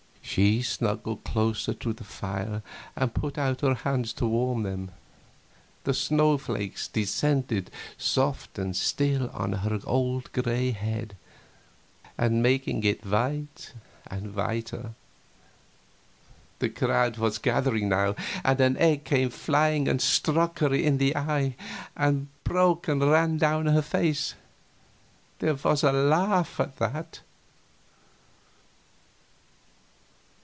She snuggled closer to the fire, and put out her hands to warm them, the snow flakes descending soft and still on her old gray head and making it white and whiter. The crowd was gathering now, and an egg came flying and struck her in the eye, and broke and ran down her face. There was a laugh at that.